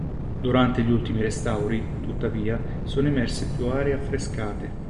Durante gli ultimi restauri, tuttavia, sono emerse più aree affrescate.